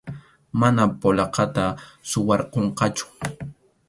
Mana polacata suwarqunqachu.